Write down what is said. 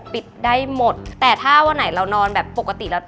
ปิดได้หมดแต่ถ้าวันไหนเรานอนแบบปกติแล้ว